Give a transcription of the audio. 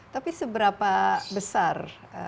tapi seberapa besar